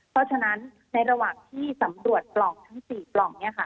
เพราะฉะนั้นในระหว่างที่สำรวจปล่องทั้ง๔ปล่อง